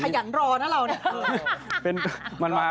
ขยันรอนะเรา